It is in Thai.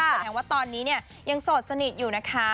แสดงว่าตอนนี้เนี่ยยังโสดสนิทอยู่นะคะ